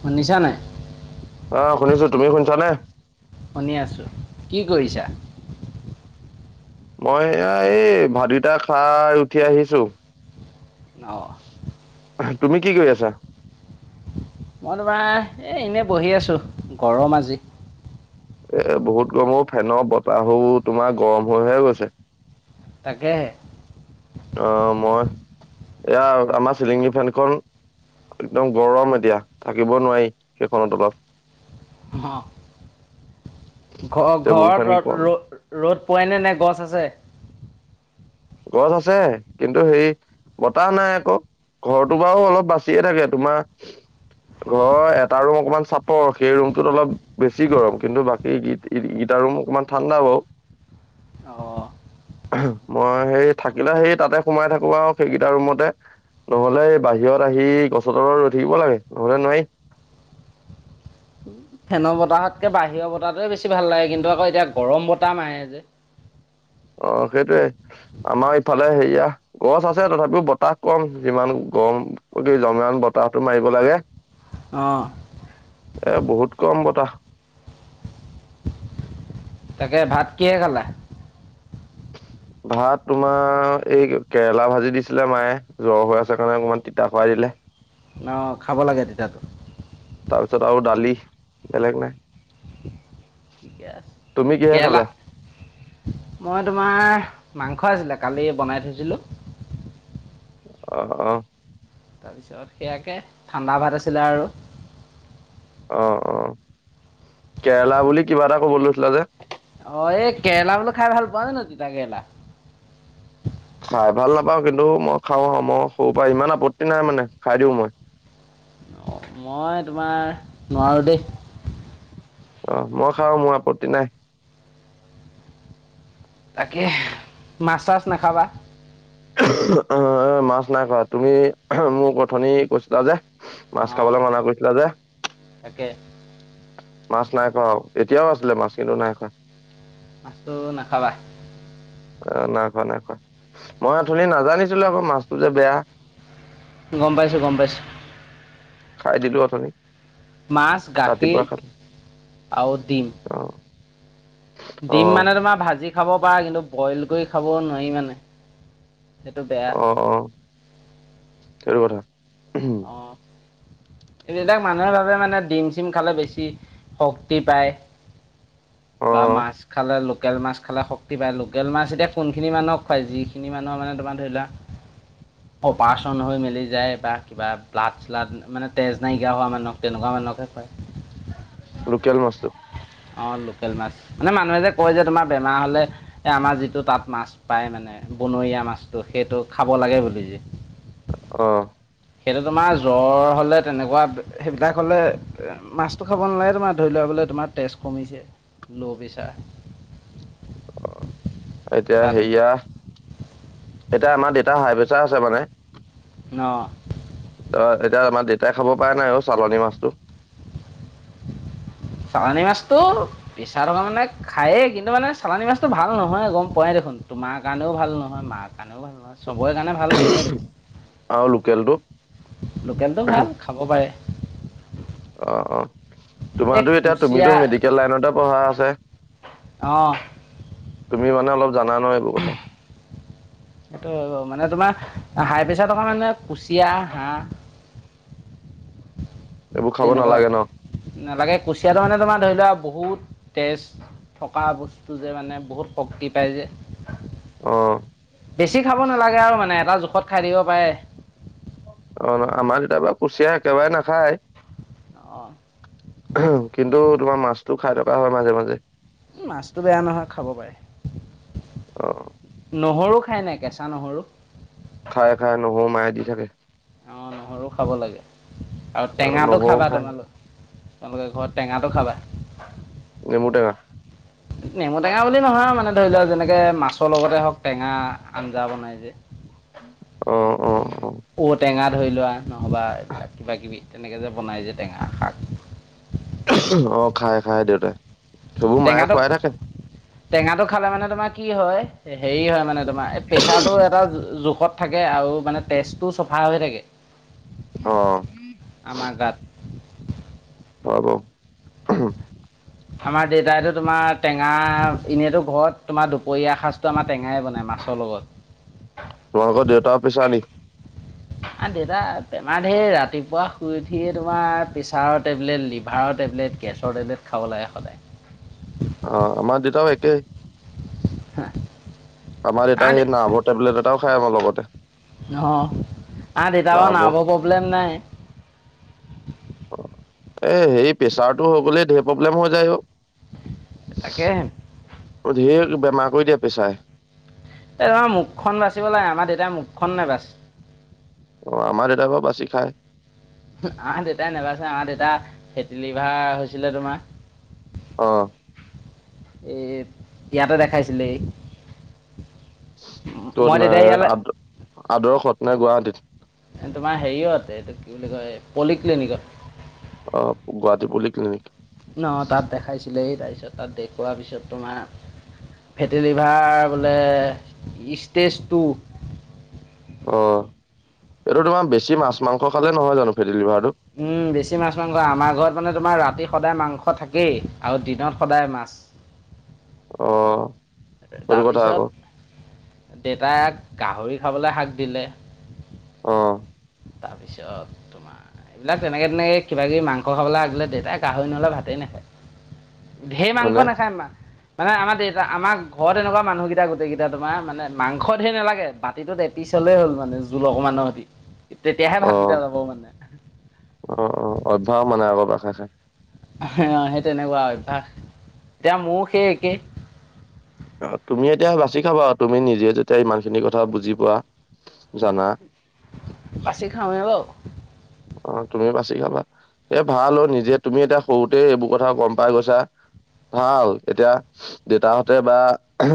শুনিছানে নাই? অ শুনিছোঁ। তুমি শুনিছানে? শুনি আছোঁ, কি কৰিছা? মই এয়া এই ভাত কেইটা খাই উঠি আহিছোঁ। অ'। তুমি কি কৰি আছা? মই তোমাৰ এ এনেই বহি আছো গৰম আজি। এ বহুত গমোৰ ফেনৰ বতাহো তোমাৰ গৰম হৈহে গৈছে। তাকে। অ মই এয়া আমাৰ চিলিঙি ফেনখন একদম গৰম এতিয়া, থাকিব নোৱাৰি সেইখনৰ তলত। হ টেবুল ফেন ঘ-ঘৰত কেইখন ৰদ-ৰ-ৰ'দ পোৱাই নে নাই গছ আছে। গছ আছে, কিন্তু সেই বতাহ নাই আকৌ। ঘৰটো বাৰু অলপ বাচিয়ে থাকে তোমাৰ ঘৰ এটা ৰুম অকমান চাপৰ সেই ৰুমটোত অলপ বেছি গৰম কিন্তু বাকী গীত গীত ৰুম অকমান ঠাণ্ডা হও। অঁ মই সেই থাকিলে সেই তাতে সোমাই থাকো আৰু সেইকেইটা ৰুমতে। নহলে বাহিৰত আহি গছৰ তলৰ ৰৈ থাকিব লাগে নহলে নাই। [inaudible] ফেনৰ বতাহতকে বাহিৰৰ বতাহাতোৱে বেছি ভাল লাগে কিন্তু আকৌ এতিয়া গৰম বতাহ মাৰে যে। [inaudible] অ' সেইটোৱে আমাৰ ইফালে হেয়া গছ আছে তথাপিও বতাহ কম যিমান গৰম কি জমেন বতাহটো মাৰিব লাগে। অ'। এ বহুত কম বতাহ। তাকে ভাত কিহে খালা? ভাত তোমাৰ এই কেৰেলা ভাজি দিছিলে মায়ে জ্বৰ হৈ আছে কাৰণে অকণমান তিতা খুৱাই দি [inaudible] ন খাব লাগে তেতিতো। তাৰপিছত আৰু দালি, বেলেগ নাই। ঠিকে আছে তুমি কিহে কেৰেলা, খালা মই তোমাৰ মাংস আছিলে কালি বনাই থৈছিলোঁ। আহ অ'। তাৰপিচত, সেয়াকে ঠাণ্ডা ভাত আছিলে আৰু। অ' অ' কেৰেলা তেনেকৈ বুলি কিবা এটা কব লৈছিলা যে। অ' এই কেৰেলা বোলো খাই ভাল পোৱা নে ন তিতা কেৰেলা? খাই ভাল নাপাওঁ কিন্তু মই খাওঁ মই সৰুৰ পৰা ইমান আপত্তি নাই মানে খাই দিওঁ মই। অ' মই তোমাৰ নোৱাৰোঁ দেই। আহ মই খাও, মোৰ আপত্তি নাই। তাকে, মাছ চাছ নাখাবা। অ মাছ নাই খোৱা, তুমি মোৰ অথনি কৈছিলা যে। মাছ অ' খাবলৈ মনা কৰিছিলা যে। তাকে মাছ নাই খোৱা এতিয়াও আছিলে মাছ কিন্তু নাই খোৱা। আছোঁ নাখাবা। অ' নাখোৱা নাখোৱা মই আঁঠনি নাজানিছিলো আকৌ মাছটো যে বেয়া। গম পাইছোঁ, গম পাইছো। খাই দিলো আথনি। মাছ গাখীৰ, আৰু ডিম। অ অ দিম মানে তোমাৰ ভাজি খাব পাৰা কিন্তু বইল কৰি খাবও নোৱাৰি মানে। সেইটো বেয়া। এটো কথা। অ' এবিলাক মানুহে ভাৱে মানে ডিম চিম খালে বেছি শক্তি পায়, অ বা মাছ খালে লোক লোকেল মাছ খালে শক্তি পায়। লোকেল মাছ এতিয়া কোনখিনি মানুহক খুৱাই যিখিনি মানুহৰ মানে তোমাৰ ধই লোৱা অপাচন হৈ মেলি যায় বা কিবা ব্লাড চিলাড মানে তেজ নাইকিয়া হোৱা মানুহক, তেনেকুৱা মানুহকহে খুৱাই। লোকেল মাছটো। অ' লোকেল মাছ, মানে মানুহে যে কয় যে তোমাৰ বেমাৰ হলে আমাৰ যিটো তাত মাছ পায় মানে। বনৰীয়া মাছটো, সেইটো খাব লাগে বুলি যে। আহ। সেইটো তোমাৰ জ্বৰ হলে তেনেকুৱা সেইবিলাক হলে মাছতো খাব নালাগে তোমাৰ ধৰি লবলে তে কি ল' প্ৰে? অ' এতিয়া হেৰিয়া, এতিয়া আমাৰ দ এটা হাই পেচা আছে মানে। ন। অ' এতিয়া আমাৰ দেতাই খাব পা নাই আও চালনী মাছটো। চালানী মাছটো পিছা থকা মানে খায়েই কিন্তু মানে চালানী মাছটো ভাল নহয় গম পোৱাই দেখোন। তোমাৰ কাণেও ভাল নহয়, মাৰ কাণেও ভাল নহয়, চবই কাণে ভাল নহয় দেখোন। আও লোকেলটো। লোকেলটো ভাল খাব পাৰে। অ', অ' এই তোমাতো এতিয়া তুমিতো কুচিয়া মেডিকেল লাইনতে পঢ়া আছে। অ'। তুমি মানে অল সেটো মানে তোমা হাই প্ৰেছাৰ থকা মানুহে কুচিয়া, হাঁহ এইবোৰ খাব তেনেকুৱা নালাগে ন নালাগে। কুচিয়াটো মানে তোমাৰ ধই লোৱা বহুত তেজ থকা বস্তু যে মানে, বহুত শক্তি পায় যে। অ বেছি খাব নালাগে আৰু মানে এটা জোখত খাই দিব পায়। অ' ন, আমা দেতাই বাও কুচিয়া একেবাই নাখায়। অ'। কিন্তু তোমাৰ মাছতো খাই থকা হয় মাজে মাজে। উ মাছটো বেয়া নহয়, খাব পায়। অ নহৰু খায় নাই, কেঁচা নহৰু? খাই, খাই নহৰু মাই দি থাকে। অ' নহৰু খাব লাগে। আও অ টেঙাটো নহৰু খাবা খাই তোমালোক, খাবলৈ ঘত টেঙাটো খাবা। নেমু টেঙা। নেমু টেঙা বুলি নহয় আ মানে ধই লক যেনেকে মাছৰ লগতে হওঁক টেঙা আঞ্জা বনাই যে। অ অ অ ঔ টেঙা ধই লোৱা নহ'বা কিবা কিবি। তেনেকে যে বনাই যে টেঙা শাক। অ' খাই খাই দেউতাই। সেবো মায়ে টেঙাটো খোৱাই থাকে। টেঙাটো খালে মানে তোমাৰ কি হয়, হেই হয় মানে তোমাৰ এই প্ৰেচাৰটো এটা জোখত থাকে আও মানে তেজটো চফা হৈ থাকে। অ'। আমাৰ গাত অ' ব। আমা দেতাইটো তোমাৰ টেঙা, ইনেতো ঘৰত তোমাৰ দুপইয়া সাঁজটো আমা টেঙাই বনাই। মাছ লগত। তোমালোক দেউতাৱ পিছা নি? আমা দেতাৰ বেমাৰ ধেৰ ৰাতিপুৱা শুই উঠিয়ে তোমাৰ প্ৰেছাৰ টেবলেট লিভাৱ টেবলেট। গেছৰ টলেত খাব লাগে সদায়। অ' আমাৰ দেতাও একেই। আমাৰ আ এটা সেই নাভৰ টেবলেট এটাও খাই আমাৰ লগতে। অ' আমাৰ দেতা বাৰু নাভৰ প্ৰব্লেম নাই। অ' এ সেই প্ৰেচাৰটো হৈ গলে ঢেৰ প্ৰব্লেম হৈ যায়, অ'। তাকে। ঢেৰ বেমাৰ কৰি দিয়ে পেচাই। এই তোমাৰ মুখখন বাচিব লাগে আমাৰ দেউতাৰ মুখখন নেবাচে। অ' আমাৰ দেতাই বাও বাছি খায়। আমা দেতাই নেবাচে, আমা দেতা ফেটি লিভাৰ হৈছিলে তোমাৰ। অ'। এ ইয়াতে দেখাইছিলেই। ত'ত নাই, আ-আদৰ্শত নাই গুৱাহাটীত। তোমাৰ হেইয়ত, এটো কি বুলি কয় পলিক্লিনিকত। অ' গুৱাহাটী পলিক্লিনিক। ন তাত দেখাইছিলে এ তাপিছত তাত দেখওুৱা পিছত তোমা ফেট লিভাৰ বোলে, ষ্টেজ টু। অ এইটো তোমাৰ বেছি মাছ মাংস খালে নহয় জানো। ফেটি লিভাৰটো উম বেছি মাছ মাংস আমাৰ ঘৰত মানে তোমাৰ ৰাতি সদায় মাংস থাকেই আৰু দিনত সদায় মাছ। অ'। সেইটো কথা আকৌ তাৰপিছত, দেতাইক গাহৰি খাবলৈ শাক দিলে। অ'। তাৰপিছত তোমাৰ এইবিলাক তেনেকে তেনেকে কিবা কিবি মাংস খাবলৈ আগিলে দেউতাই গাহৰি নহ'লে ভাতেই নাখে। [inaudible] ঢেৰ মাংস হয়নে নাখায় আমাৰ। মানে আমাৰ দেউত, আমাৰ ঘৰত এনেকুৱা মানুহকেইটা গোটকেইটা তোমাৰ মানে মাংসৰ ধেৰ নালাগে বাতিটোত এ চলে হ'ল মানে জোলক মানহতি। অ' অ' অ' অভ্য়াস মানে আগৰ পৰাছে। আহ সেই তেনেকুৱা অভ্য়াস, এতিয়া মোৰ সেই একেই অ' তুমি এতিয়া বাচি খাবা আৰু তুমি নিজে যেতিয়া ইমান খিনি কথা বুজি পোৱা। জানা। পাচি খাওঁে বাৰু। অ' তুমি বাছি খাবা, এ ভাল নিজে তুমি এতিয়া সৰুতে এইবোৰ কথা গম পাই গৈছা ভাল এতিয়া দেউতাহঁতে বা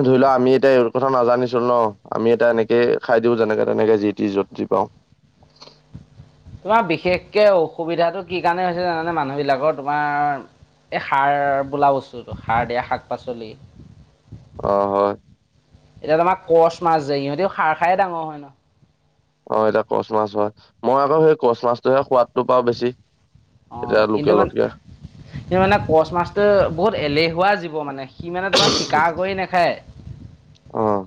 ধৰি লোৱা আমি এতিয়া এই কথা নাজানিছিলো ন। আমি এটা এনেকে খাই দিওঁ যেনেকে তেনেকে যি টি যত জি পাওঁ। তোমাৰ বিশেষকে অসুবিধাতটো কি কাৰণে হৈছে জানে মানুহ বিলাকৰ, তোমাৰ এই সাৰ বোলা বস্তুটো সাৰ দিয়া শাক পাচলি। অ' হয়। এতিয়া তোমাৰ কচ মাছ যায় ইিহঁতিও খাৰ খায় ডাঙৰ হয়। অ' এতিয়া কচ মাছ হয়, মই আকৌ সেই কচ মাছটোহে সোৱাদটো পাওঁ বেছি। অ' এতিয়া কিন্তু মান লোকেলতকে কিন্ত মানে কচ মাছটো বহুত এলেহুৱা জীৱ মানে সি মানে তোমাক চীকাৰ কৰি নাখায়। আহ।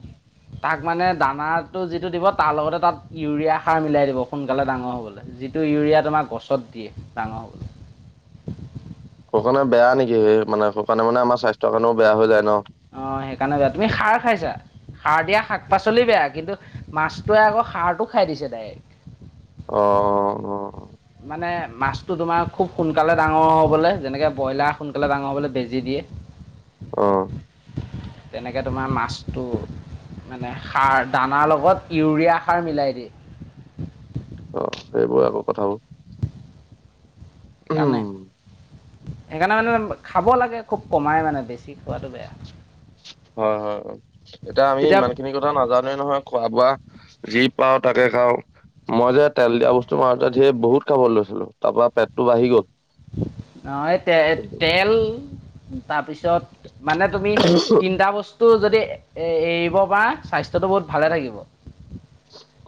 তাক মানে দানাটো যিটো দিব তাৰ লগতে তাত ইউৰিয়া সাৰ মিলাই দিব সোনকালে ডাঙৰ হবলৈ, যিটো যিটো ইউৰিয়া তোমাক গছত দিয়ে ডাঙৰ হ'লে। [inaudible] শুানে বেয়া নেকি স মানে শুানোনে আমাৰ সাস্থ্য কাৰণেয়া যায় ন। অ' সেইকাৰণে বেয়া, তুমি খাৰ খাইছা। সাৰ দিয়া শাক পাচলি বেয়া, কিন্তু মাছটোৱে আকৌ সাৰটো খাই দিছে ডাইৰেক্ট। অ' অ' অ'। মানে মাছটো তোমাৰ খুব সোনকালে ডাঙৰ হ'বলৈ যেনেকে ব্ৰইলাৰ সোনকালে ডাঙৰ হ'বলৈ বেজি দিয়ে অ'। তেনেকে তোমাৰ মাছটো মানে সাৰ, দানাৰ লগত ইউৰিয়া সাৰ মিলাই দিয়ে। অ', সেইবোৰ আকৌ কথাাবোৰ। কাৰণে [unintelligible] সেইকাৰণে মানে খাব লাগে খুব কমাই মানে বেছি খোৱাটো বেয়া। হয় হয়, এতিয়া আমি ইমান খিনি কথা নাজানোৱে নহয়। খোৱা বোৱা, যি পাওঁ তাকে খাওঁ। মই যে তেল দিয়া বস্তু মাৰোতি ধেই বহুত খাবলৈ লৈছিলো, তাৰ পৰা পেটটো বাঢ়ি গ'ল। অ' এই তে তেল, তাৰপিছত মানে তুমি, তিনিটা বস্তু টো যদি এ এৰিব বা স্বাস্থ্যটো বহুত ভালে থাকিব।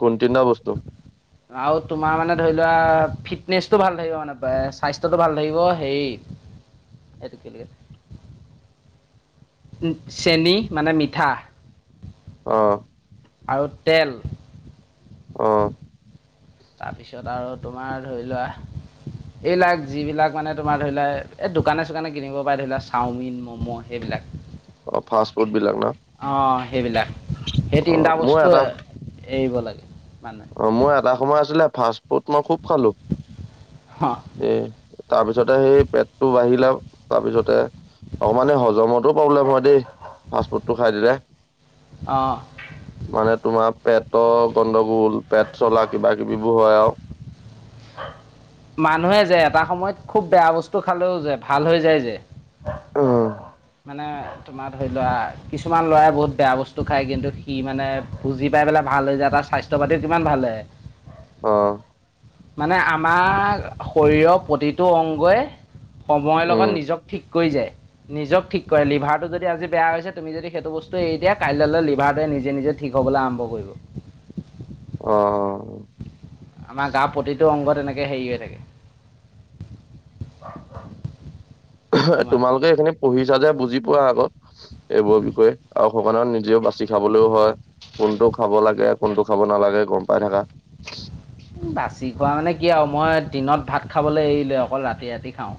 কোনটো নো বস্ত। আৰু তোমাৰ মানে ধৰি লোৱা ফিটনেচটো ভাল থাকিব মানে স্বাস্থ্যটো ভাল থাকিব হেৰি [inaudible] আৰুিকেই [unintelligible] ল চেনী মানে মিঠা অ'। আৰু তেল অ'। তাৰপিছত আৰু তোমাৰ ধৰি লোৱা এইবিলাক যিবিলাক মানে তোমাৰ ধৰিলোৱা এই দোকানে চোকানে কিনিব পাই ধৰিলোৱা চাওমিন, ম'ম' সেইবিলাক অ ফাষ্ট ফুড বিলাক ন'। অঁ সেইবিলাক সেই অ তিনটা মোৰ বস্তু এটা এৰিব লাগে। মানুহে অ', মোৰ এটা সময় আছিলে ফাষ্ট ফুড মই খুব খালোঁ অঁ এ তাৰপিছতে সেই পেটটো বাঢ়িলে তাৰপিছতে অকমান সেই হজমতো প্ৰব্লেম হয় দেই, ফাষ্ট ফুডটো খাই দিলে। অঁ মানে তোমাৰ পেটৰ গণ্ডগোল, পেট চলা কিবা কিবিবোৰ হয় আৰু মানুহে যে এটা সময়ত খুব বেয়া বস্তু খালেও যে ভাল হৈ যায় যে আৰু মানে তোমাৰ ধৰি ল'ৰা কিছুমান ল'ৰাই বহুত বেয়া বস্তু খায়, কিন্তু সি মানে বুজি পাই পেলাই ভাল হৈ যায় তাৰ স্বাস্থ্য পাতিও কিমান ভাল হৈ আহে। অ'। মানে আমাৰ শৰীৰৰ প্ৰতিটো অংগই সময়ৰ লগত উম, নিজক ঠিক কৰি যায়। নিজক ঠিক কৰে, লিভাৰটো যদি আজি বেয়া হৈছে তুমি যদি সেইটো বস্তু এৰি দিয়া কাইলৈ লৈ লিভাৰটোৱে নিজে নিজে ঠিক হ'বলৈ আৰম্ভ কৰিব। অ', অ'। আমাৰ গাৰ প্ৰতিটো অংগত এনেকে এ হেৰি হৈ থাকে তোমাৰ তোমালোকে এইখিনি পঢ়িছা যে বুজি পোৱা আগত, এইবোৰ বিষয়ে, আৰু সকানে নিজেও বাচি খাবলৈও হয় কোনটো খাব লাগে কোনটো খাব নালাগে গম পাই থাকা। উ বাচি খোৱা মানে কি আৰু মই দিনত ভাত খাবলৈ এৰিলো, অকল ৰাতি ৰাতি খাওঁ।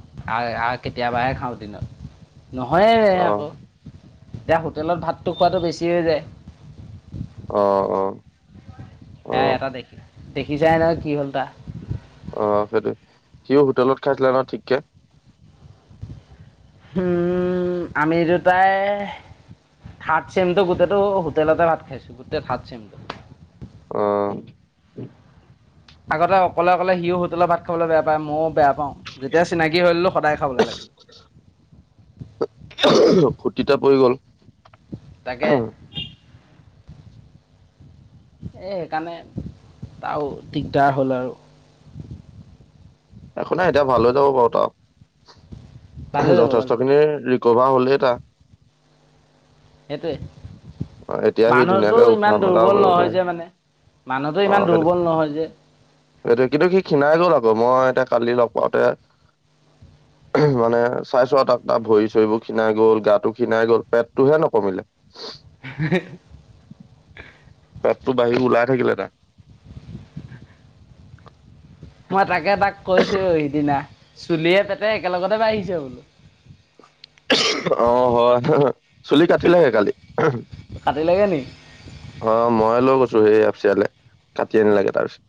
কেতিয়াবাহে খাওঁ দিনত। [inaudible] নহয়েই অ', আকৌ, এতিয়া হোটেলত ভাতটো খোৱাটো বেছি হৈ যায়। অ', অ'। হে অ', এটা, দেখি-দেখিছাই নহয় কি হ'ল তাৰ। অ', সেইটোৱে, সিও হোটেলত খাইছিলে নহয় ঠিককে। উম, আমি দুটাই থাৰ্ড চেমটো গোটেইটো হোটেলতে ভাত খাইছো গোটে থাৰ্ড চেমটো। অ'। আগতে অকলে অকলে সিও হোটেলৰ ভাত খাবলৈ বেয়া পায় ময়ো বেয়া পা ওঁ যেতিয়া চিনাকি হৈ ল'লো সদায় খাবলৈ লাগে। ফুৰ্তিতে পৰি গ'ল। তাকে এ সেইকাৰণে তাৰো দিগদাৰ হ'ল আৰু। একো নাই এতিয়া ভাল হৈ যাব বাৰু ভালে তাৰো যাব ভালে যথেষ্ট যাব খিনি ৰি কভাৰ হ'লেই তাৰ সেইটোৱে, অ', এতিয়া সি মানুহটো ধুনীয়াকে উঠা ইমান মেলাও দুৰ্বল কৰিব নহয় পাৰে যে মানে মানুহতো ইমান দুৰ্বল নহয় যে। সেইটোৱে কিন্তু সি খীণাই গ'ল আকৌ, মই এতিয়া কালি লগ পাওঁতে মানে চাইচো আও তাক তাৰ ভৰি চৰিবোৰ খীণাই গ'ল, গাটো খীণাই গ'ল, পেটটোহে নকমিলে। হে হে। পেটতো বাঢ়ি ওলাই থাকিলে তাৰ। মই তাকে তাক কৈছো সিদিনা, চুলিয়ে পেটে একেলগতে বাঢ়িছে বোলো। আহ হয়, চুলি কাটিলেহে কালি কাটিলেগৈ নি অ', মই লৈ গৈছো সেই আপচিয়ালৈ। কাটি আনিলাগে তাৰপিছত,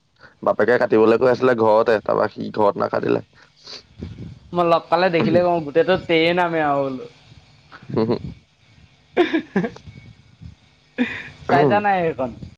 বাপেকে কাটিবলৈ কৈ আছিলে ঘৰতে তাৰপৰা সি ঘৰত নাাকাটিলে মই লগ পালে দেখিলে নাকাটিলে কওঁ গোটেটো তেৰে নামে আৰু। াল [unintelligible] চাইচা নাই সেইখন?